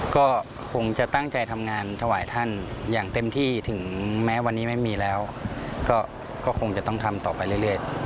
ก็คงจะตั้งใจทำงานถวายท่านอย่างเต็มที่ถึงแม้วันนี้ไม่มีแล้วก็คงจะต้องทำต่อไปเรื่อย